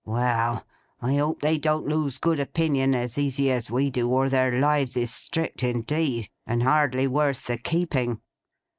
—Well! I hope they don't lose good opinion as easy as we do, or their lives is strict indeed, and hardly worth the keeping.